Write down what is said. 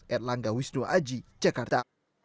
erlangga wisnu aji jakarta